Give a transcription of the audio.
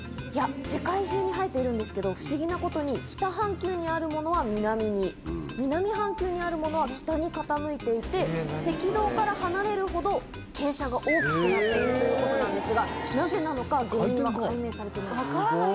世界中に生えているんですけど不思議なことに北半球にあるものは南に南半球にあるものは北に傾いていて赤道から離れるほど傾斜が大きくなっているということなんですがなぜなのか原因は解明されてない。